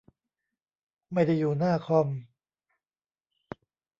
ไม่ได้อยู่หน้าคอม